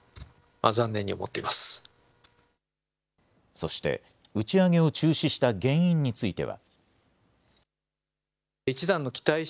そして、打ち上げを中止した原因については。